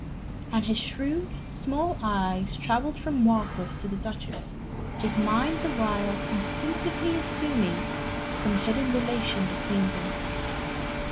And his shrewd, small eyes travelled from Warkworth to the Duchess, his mind the while instinctively assuming some hidden relation between them.